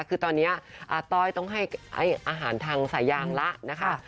คือตอนนี้อาต้อยต้องให้อาหารทางสายยางแล้วนะคะ